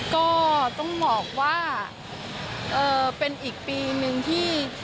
ก็ต้องบอกว่าเป็นอีกปีหนึ่งที่